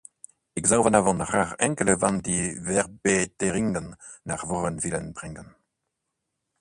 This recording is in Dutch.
Ik zou vanavond graag enkele van die verbeteringen naar voren willen brengen.